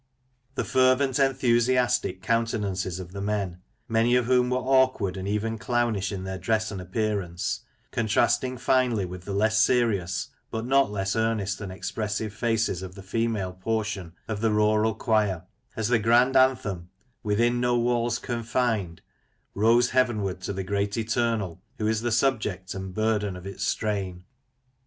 The fervent enthusiastic countenances of the men, many of whom were awkward and even clownish in their dress and appearance, contrasting finely with the less serious, but not less earnest and expressive faces of the female portion of the rural choir, as the grand anthem, " within no walls confined," rose heavenward to the great Eternal, who is the subject and burden of its strain.